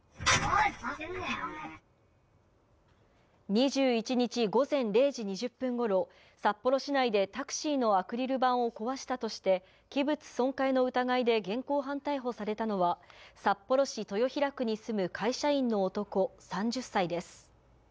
２１日午前０時２０分ごろ、札幌市内でタクシーのアクリル板を壊したとして、器物損壊の疑いで現行犯逮捕されたのは、札幌市豊平区に住む会社員の男３０歳です。